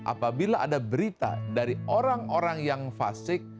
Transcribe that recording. apabila ada berita dari orang orang yang fasik